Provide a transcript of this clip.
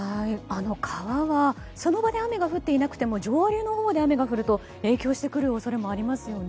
川はその場で、雨が降っていなくても上流のほうで雨が降ると、影響してくる恐れもありますよね。